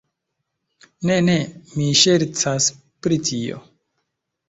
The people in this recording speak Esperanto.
Ne, ne, mi ŝercas pri tio